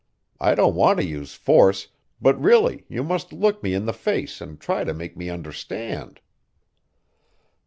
I don't want to use force, but really you must look me in the face and try to make me understand."